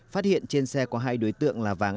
phát hiện trên xe có hai đối tượng là vàng